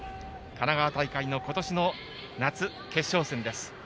神奈川大会の今年の夏決勝戦です。